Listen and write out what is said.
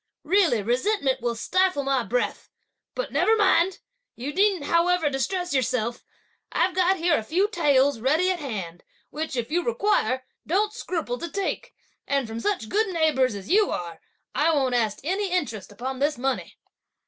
Really resentment will stifle my breath! but never mind! you needn't however distress yourself. I've got here a few taels ready at hand, which, if you require, don't scruple to take; and from such good neighbours as you are, I won't ask any interest upon this money."